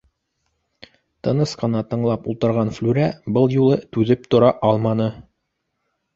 Тыныс ҡына тыңлап ултырған Флүрә был юлы түҙеп тора алманы: